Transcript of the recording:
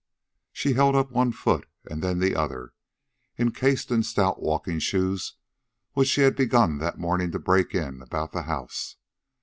She held up one foot and then the other, encased in stout walking shoes which she had begun that morning to break in about the house.